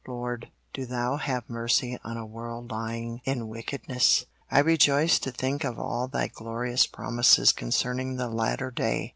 Lord, do Thou have mercy on a world lying in wickedness. I rejoice to think of all Thy glorious promises concerning the latter day.